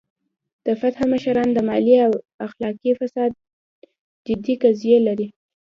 د فتح مشران د مالي او اخلاقي فساد جدي قضیې لري.